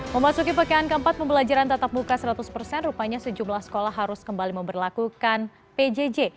memasuki pekan keempat pembelajaran tatap muka seratus persen rupanya sejumlah sekolah harus kembali memperlakukan pjj